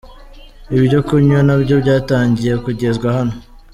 Ibyo kunywa nabyo byatangiye kugezwa hano.